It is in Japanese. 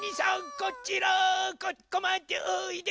こちらここまでおいで。